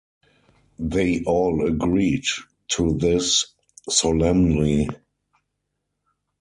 They all agreed to this solemnly.